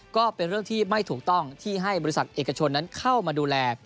ก็เป็นเรื่องที่ไม่ถูกต้องที่ให้บริษัทเอกชนนั้นเข้ามาดูแล